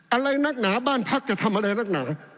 อะไรนักหนาบ้านพักจะทำอะไรนักหนา